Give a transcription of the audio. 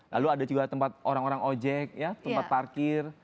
lalu ada juga tempat orang orang ojek tempat parkir